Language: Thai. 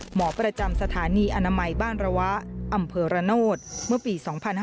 หมอประจำสถานีอนามัยบ้านระวะอำเภอระโนธเมื่อปี๒๕๕๙